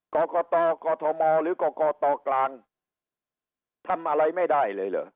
กรกตกธมหรือกกตกลางทำอะไรไม่ได้เลยเหรอ